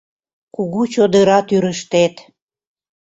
Кугу чодыра тӱрыштет.